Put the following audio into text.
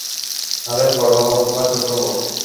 আরে বড় হোক, বা ছোট হোক।